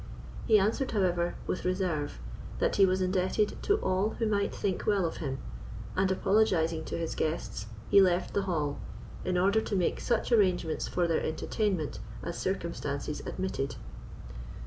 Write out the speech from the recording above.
He answered, however, with reserve, that he was indebted to all who might think well of him; and, apologising to his guests, he left the hall, in order to make such arrangements for their entertainment as circumstances admitted.